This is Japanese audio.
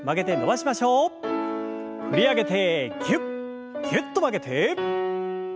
振り上げてぎゅっぎゅっと曲げて。